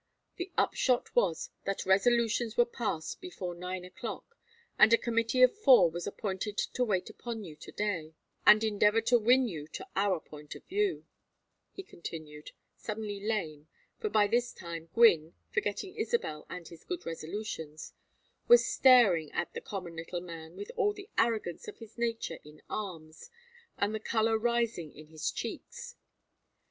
The upshot was that resolutions were passed before nine o'clock, and a committee of four was appointed to wait upon you to day and endeavor to win you to our point of view," he continued, suddenly lame, for by this time Gwynne, forgetting Isabel and his good resolutions, was staring at the common little man with all the arrogance of his nature in arms, and the color rising in his cheeks.